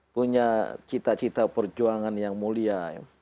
punya cita cita perjuangan yang mulia